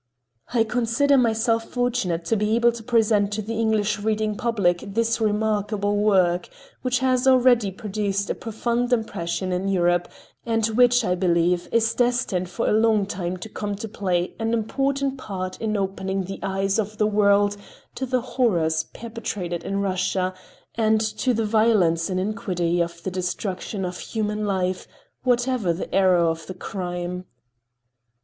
I consider myself fortunate to be able to present to the English reading public this remarkable work, which has already produced a profound impression in Europe and which, I believe, is destined for a long time to come to play an important part in opening the eyes of the world to the horrors perpetrated in Russia and to the violence and iniquity of the destruction of human life, whatever the error or the crime.